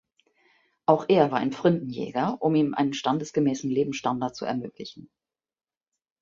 Auch er war ein Pfründeenjäger um ihm einen standesgemäßen Lebensstandard zu ermöglichen.